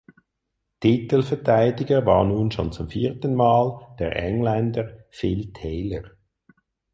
Titelverteidiger war nun schon zum vierten Mal der Engländer Phil Taylor.